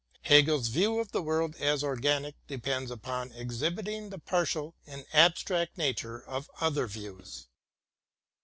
Hegel's view of the world as organic depends upon exhibiting the partial and abstract nature of other views.